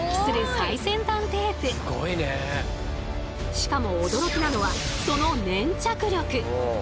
しかも驚きなのはその粘着力。